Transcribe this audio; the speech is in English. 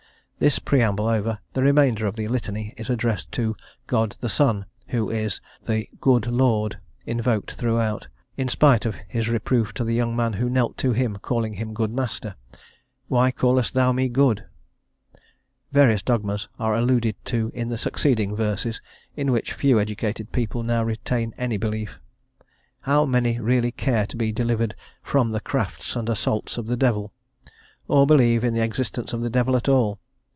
This preamble over, the remainder of the Litany is addressed to "God the Son," who is the "Good Lord" invoked throughout, in spite of His reproof to the young man who knelt to Him, calling Him "Good Master;" "why callest thou Me good?" Various dogmas are alluded to in the succeeding verses in which few educated people now retain any belief. How many really care to be delivered "from the crafts and assaults of the devil," or believe in the existence of the devil at all?